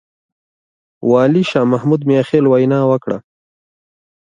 والي شاه محمود مياخيل وينا وکړه.